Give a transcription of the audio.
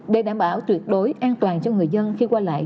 để đảm bảo tuyệt đối an toàn cho người dân khi qua lại